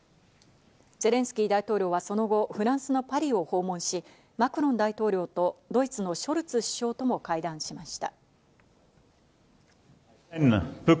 ゼレンスキー大統領は、その後、フランスのパリを訪問し、マクロン大統領とドイツのショルツ首相とも会談しました。